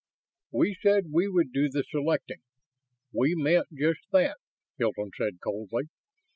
"We said we would do the selecting. We meant just that," Hilton said, coldly.